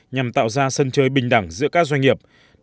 nhằm tạo ra một cơ hội để giải quyết các gỗ sạch